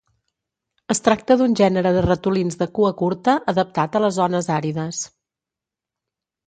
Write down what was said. Es tracta d'un gènere de ratolins de cua curta adaptat a les zones àrides.